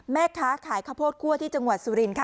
แม่ค้าขายข้าวโพดคั่วที่จังหวัดสุรินค่ะ